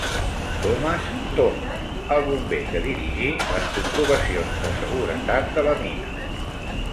Thomas Thomas, el bomber que dirigir les comprovacions de seguretat de la mina.